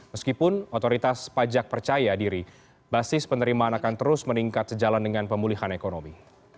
meskipun otoritas pajak percaya diri basis penerimaan akan terus meningkat sejalan dengan pemulihan ekonomi